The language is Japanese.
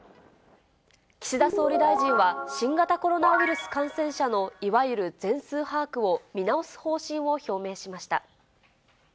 岸田総理大臣は、新型コロナウイルス感染者のいわゆる全数把握を見直す方針を表明しました。